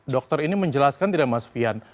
dokter ini menjelaskan tidak mas fian